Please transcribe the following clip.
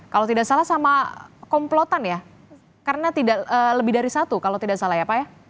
kalau tidak salah sama komplotan ya karena tidak lebih dari satu kalau tidak salah ya pak ya